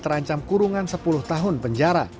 terancam kurungan sepuluh tahun penjara